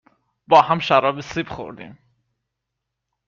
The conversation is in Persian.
.با هم شراب سیب خوردیم